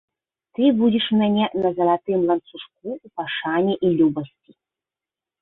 Ты будзеш у мяне на залатым ланцужку ў пашане і любасці.